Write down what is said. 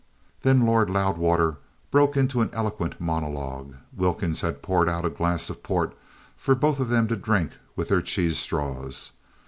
Then Lord Loudwater broke into an eloquent monologue. Wilkins had poured out a glass of port for both of them to drink with their cheese straws.